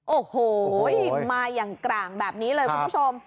โอ้โหมาอย่างกลางแบบนี้เลยคุณผู้ชม